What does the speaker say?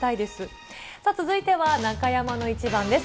続いては中山のイチバンです。